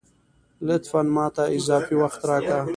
لطفاً ! ماته اضافي وخت راکه